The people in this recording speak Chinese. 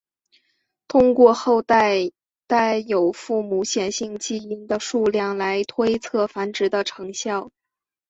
通过后代带有父母显性基因的数量来推测繁殖的成效。